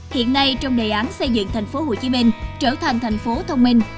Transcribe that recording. hiện nay trong đề án xây dựng thành phố hồ chí minh trở thành thành phố thông minh